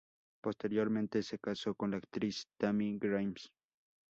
Posteriormente se casó con la actriz Tammy Grimes.